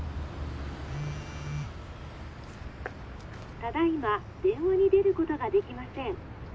「ただいま電話に出ることができません」。